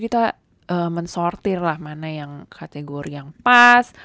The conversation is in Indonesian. kita mensortir lah mana yang kategori yang pas